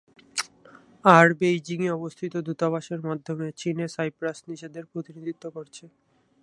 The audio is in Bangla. আর বেইজিংয়ে অবস্থিত দূতাবাসের মাধ্যমে চীনে সাইপ্রাস নিজেদের প্রতিনিধিত্ব করছে।